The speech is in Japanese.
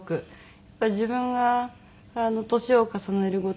やっぱり自分が年を重ねるごとに。